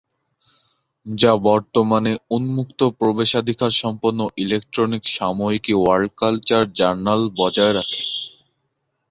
যা বর্তমানে উন্মুক্ত প্রবেশাধিকার সম্পন্ন ইলেক্ট্রনিক সাময়িকী ওয়ার্ল্ড কালচার জার্নাল বজায় রাখে।